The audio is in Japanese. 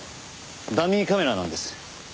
ダミーカメラなんです。